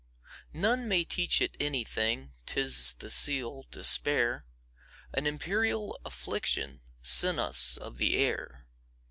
None may teach it anything,'T is the seal, despair,—An imperial afflictionSent us of the air.